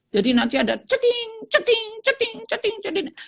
jadi nanti ada ceting ceting ceting ceting ceting